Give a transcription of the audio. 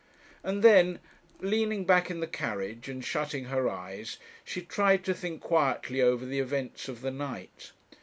And then, leaning back in the carriage, and shutting her eyes, she tried to think quietly over the events of the night.